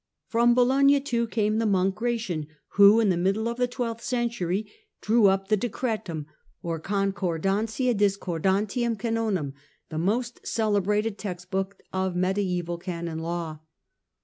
From Bologna, too, came the monk Gratian, who, in the middle of the twelfth century, drew up the Decretum or Concordantia discordantium canonum, the most celebrated text book of mediaeval Canon Law.